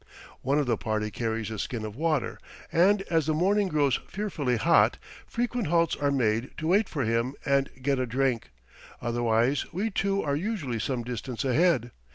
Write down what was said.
One of the party carries a skin of water, and as the morning grows fearfully hot, frequent halts are made to wait for him and get a drink, otherwise we two are usually some distance ahead.